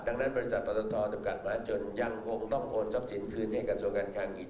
ดังนั้นบริษัทพัทธทอจำกัดมาจนยังคงต้องโค้นซับสินคืนให้กันส่วนการคางกิจ